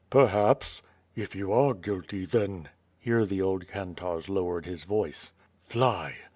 * "Perhaps/' "If you are guilty, then. ..." Here the old kantarz lowered his voice. "Fly!"